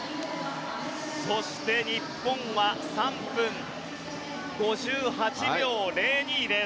そして日本は３分５８秒０２です。